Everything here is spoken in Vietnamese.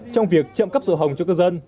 trong việc chậm cấp sổ hồng cho cơ dân